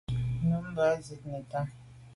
Nummb’a zin neta.